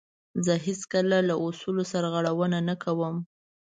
زه هیڅکله له اصولو سرغړونه نه کوم.